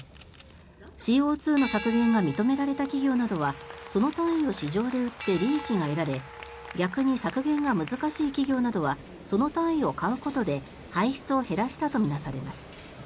ＣＯ２の削減が認められた企業などはその単位を市場で売って利益が得られ逆に削減が難しい企業などはその単位を買うことで排出を減らしたと見なされます。